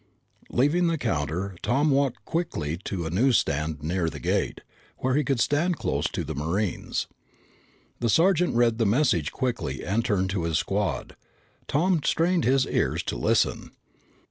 Leaving the counter, Tom walked quickly to a newsstand near the gate, where he could stand close to the Marines. The sergeant read the message quickly and turned to his squad. Tom strained his ears to listen.